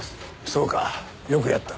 そうかよくやった。